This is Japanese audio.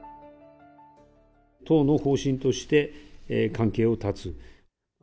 党の方針として、関係を断つ。